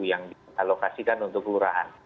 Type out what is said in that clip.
yang di alokasikan untuk kelurahan